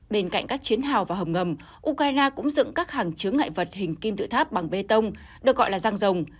bên cạnh các chiến hào và hầm ngầm ukraine cũng dựng các hàng chứa ngại vật hình kim tự tháp bằng bê tông được gọi là giang rồng